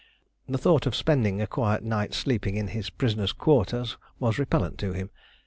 The thought of spending a quiet night sleeping in his prisoners' quarters was repellent to him.